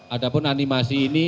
adapun animasi ini